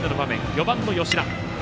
４番の吉田。